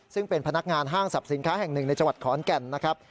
ซึ่งเป็นพนักงานห้างสรรพสินค้าแห่งหนึ่งในจังหวัดขอนแก่นนะครับ